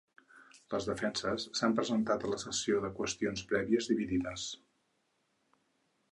Les defenses s’han presentat a la sessió de qüestions prèvies dividides.